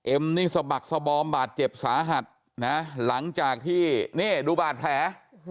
นี่สะบักสบอมบาดเจ็บสาหัสนะหลังจากที่นี่ดูบาดแผล